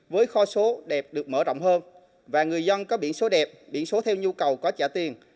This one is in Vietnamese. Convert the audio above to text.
với kho số đẹp được mở rộng hơn và người dân có biển số đẹp biển số theo nhu cầu có trả tiền